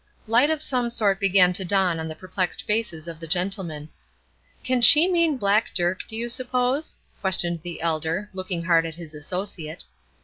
Light of some sort began to dawn on the perplexed faces of the gentlemen. "Can she mean black Dirk, do you suppose?" questioned the elder, looking hard at his associate.